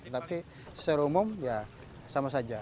tapi secara umum ya sama saja